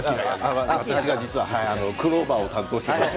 私がクローバーを担当していて。